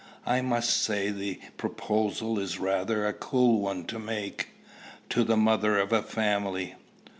I must say the proposal is rather a cool one to make, to the mother of a family."